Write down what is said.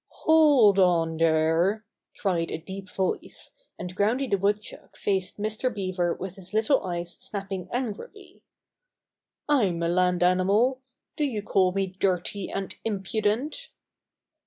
"Hold on there!" cried a deep voice, and Groundy the Woodchuck faced Mr. Beaver with his little eyes snapping angrily. "I'm a land animal. Do you call me dirty and im pudent?"